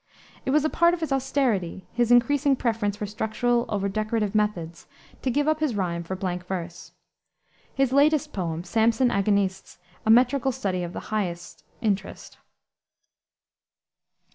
It was a part of his austerity, his increasing preference for structural over decorative methods, to give up rime for blank verse. His latest poem, Samson Agonistes, a metrical study of the highest interest.